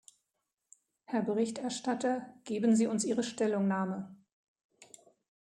Herr Berichterstatter, geben Sie uns Ihre Stellungnahme.